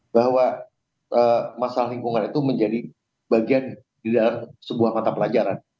bahwa masalah lingkungan itu menjadi bagian di dalam sebuah mata pelajaran